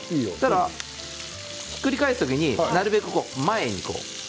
ひっくり返す時になるべく前に。